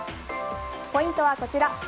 ポイントはこちら。